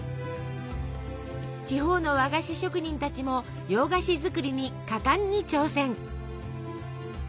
地方の和菓子職人たちも洋菓子作りに果敢に挑戦。